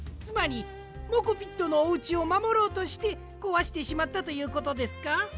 つまりモコピットのおうちをまもろうとしてこわしてしまったということですか？